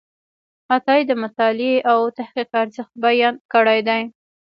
عطایي د مطالعې او تحقیق ارزښت بیان کړی دی.